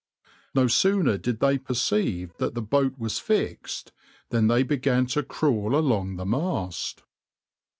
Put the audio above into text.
No sooner did they perceive that the boat was fixed than they began to crawl along the mast.